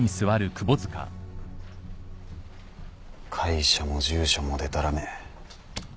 会社も住所もでたらめ。